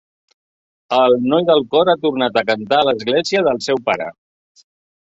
El noi del cor ha tornat a cantar a l'església del seu pare.